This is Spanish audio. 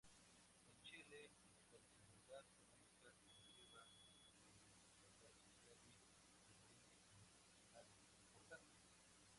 En Chile, la desigualdad económica conlleva desigualdad social y diferencias educacionales importantes.